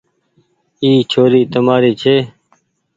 اي ڇوري تمآري ڇي۔